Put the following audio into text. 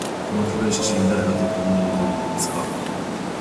この古い写真、誰が撮ったものだと思いますか？